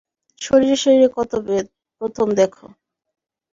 শরীরে শরীরে কত ভেদ, প্রথম দেখ।